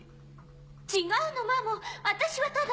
違うのマモー私はただ。